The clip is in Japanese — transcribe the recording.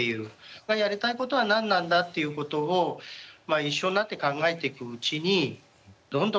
やりたいことは何なんだっていうことをまあ一緒になって考えていくうちにどんどん周りに人が集まってきてですね。